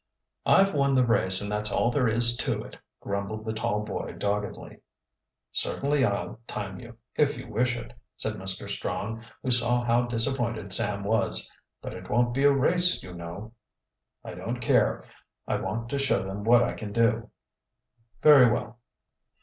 "I've won the race and that's all there is to it," grumbled the tall boy doggedly. "Certainly I'll time you, if you wish it," said Mr. Strong, who saw how disappointed Sam was. "But it won't be a race, you know." "I don't care I want to show them what I can do." "Very well."